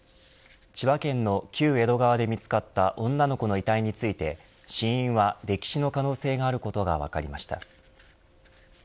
千葉県の旧江戸川で見つかった女の子の遺体について死因はでき死の可能性があることが分かりました。